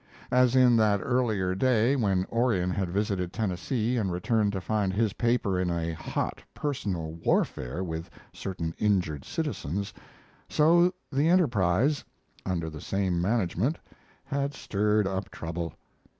As in that earlier day, when Orion had visited Tennessee and returned to find his paper in a hot personal warfare with certain injured citizens, so the Enterprise, under the same management, had stirred up trouble.